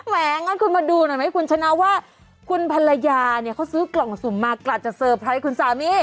แหมงั้นคุณมาดูหน่อยไหมคุณชนะว่าคุณภรรยาเนี่ยเขาซื้อกล่องสุ่มมากลาดจะเซอร์ไพรส์คุณสามี